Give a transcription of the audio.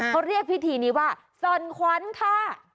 เขาเรียกพิธีนี้ว่าส่อนขวัญค่ะ